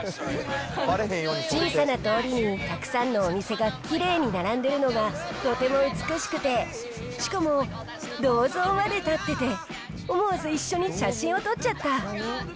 小さな通りにたくさんのお店がきれいに並んでるのが、とても美しくて、しかも銅像まで建ってて、思わず、一緒に写真を撮っちゃった！